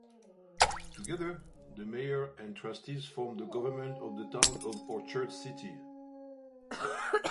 Together, the mayor and trustees, form the government of the Town of Orchard City.